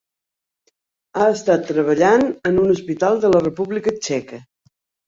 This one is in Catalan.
Ha estat treballant en un hospital de la República Txeca.